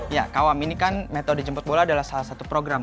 ya kawam ini kan metode jemput bola adalah salah satu program